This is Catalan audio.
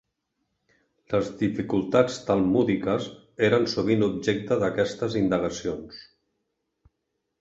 Les dificultats talmúdiques eren sovint objecte d'aquestes indagacions.